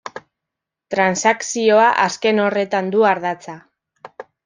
Transakzioa azken horretan du ardatza.